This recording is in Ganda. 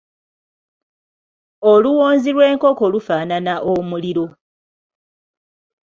Oluwonzi lw’enkoko lufaanana omuliro.